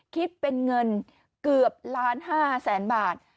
คิดเป็นเงินเกือบล้าน๕แสนบาท